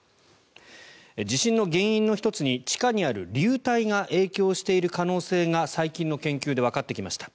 地震の原因の１つに地下にある流体が影響している可能性が最近の研究でわかってきました。